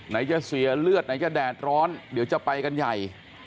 ไหนจะเสียเลือดไหนจะแดดร้อนเดี๋ยวจะไปกันใหญ่